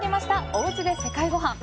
おうちで世界ごはん。